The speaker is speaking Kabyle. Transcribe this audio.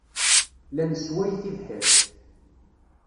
La nessway tibḥirt.